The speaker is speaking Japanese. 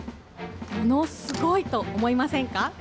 ものすごいと思いませんか？